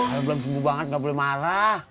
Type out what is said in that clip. aku bilang punggung banget ga boleh marah